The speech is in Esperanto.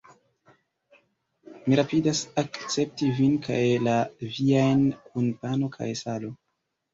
Mi rapidas akcepti vin kaj la viajn kun pano kaj salo!